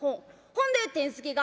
ほんで天すきか」。